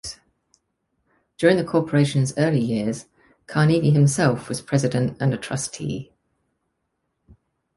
During the corporation's early years, Carnegie himself was president and a trustee.